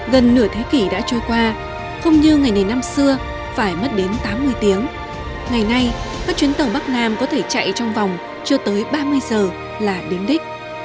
gần nửa thế kỷ đã trôi qua không như ngày này năm xưa phải mất đến tám mươi tiếng ngày nay các chuyến tàu bắc nam có thể chạy trong vòng chưa tới ba mươi giờ là đến đích